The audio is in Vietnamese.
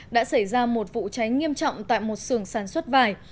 đã xảy ra một vụ cháy nghiêm trọng tại một sưởng sản xuất vải